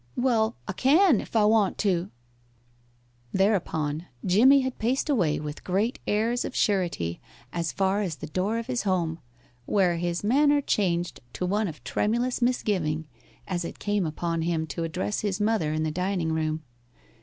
"Well, I can, if I want to." Thereupon Jimmie had paced away with great airs of surety as far as the door of his home, where his manner changed to one of tremulous misgiving as it came upon him to address his mother in the dining room.